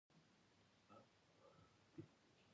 آب وهوا د افغانانو ژوند په کلکه اغېزمنوي.